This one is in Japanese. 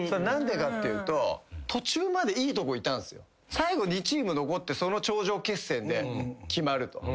最後２チーム残って頂上決戦で決まると。